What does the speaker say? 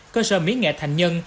cơ sở mỹ nghệ thành nhân